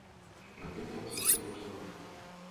να δείτε αν σας λέγω ψέματα.